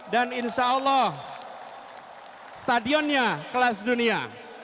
dan insyaallah stadionnya kelas dunia